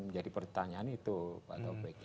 jadi pertanyaan itu pak taufik